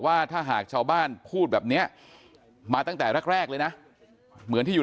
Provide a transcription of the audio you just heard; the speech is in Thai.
ว่าถ้าหากชาวบ้านพูดแบบนี้มาตั้งแต่แรกเลยนะเหมือนที่อยู่